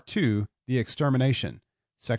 THE EXTERMINATION. I.